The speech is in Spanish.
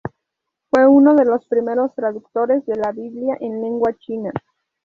Fue uno de los primeros traductores de la Biblia en lengua china.